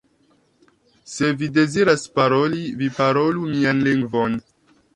Se vi deziras paroli, vi parolu mian lingvon".